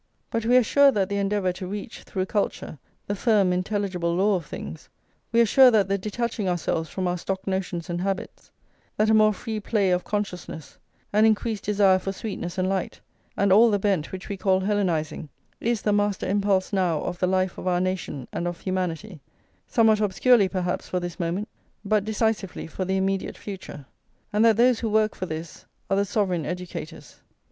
But we are sure that the endeavour to reach, through culture, the firm intelligible law of things, we are sure that the detaching ourselves from our stock notions and habits, that a more free play of consciousness, an increased desire for sweetness and light, and all the bent which we call Hellenising, is the master impulse now of the life of our nation and of humanity, somewhat obscurely perhaps for this moment, but decisively for the immediate future; and that those who work for this are the sovereign educators.